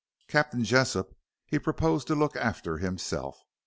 Captain Jessop he proposed to look after himself.